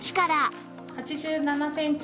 ８７センチ。